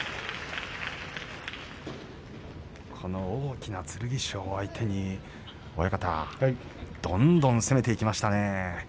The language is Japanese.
この大きな剣翔相手に、親方どんどん攻めていきましたね。